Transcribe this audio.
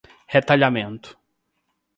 retalhamento